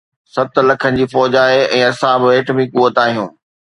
ست لکن جي فوج آهي ۽ اسان به ايٽمي قوت آهيون.